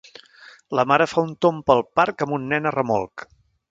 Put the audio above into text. La mare fa un tomb pel parc amb un nen a remolc.